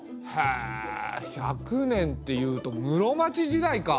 へえ１００年っていうと室町時代か。